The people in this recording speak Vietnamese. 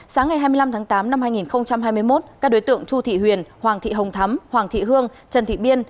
sáng ngày hai mươi năm tháng tám năm hai nghìn hai mươi một các đối tượng chu thị huyền hoàng thị hồng thắm hoàng thị hương trần thị biên